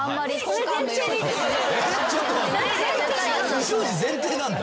不祥事前提なんだ。